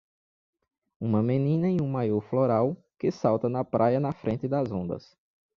Uma menina em um maiô floral que salta na praia na frente das ondas.